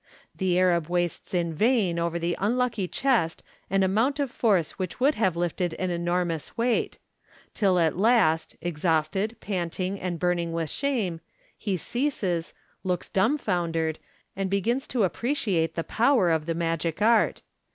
"The Arab wastes in vain over the unlucky chest an amount of force which would have lifted an enormous weight ; till at last, ex hausted, panting, and burning with shame, he ceases, looks dum foundered, and begins to appreciate the power of the magic art.